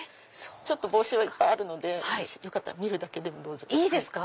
帽子いっぱいあるのでよかったら見るだけでもどうぞ。